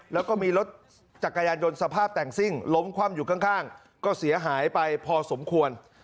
แล้วก็มีรถจักรยานยนต์สภาพแต่งซิ่งล้มคว่ำอยู่ข้างก็เสียหายไปพอสมควร